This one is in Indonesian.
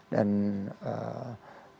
dan mereka menyampaikan